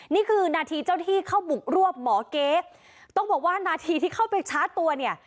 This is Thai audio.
นี่คือนาทีเจ้าที่เข้าบุกรวบหมอเก๊กต้องบอกว่านาทีที่เข้าไปชาร์จตัวเนี่ย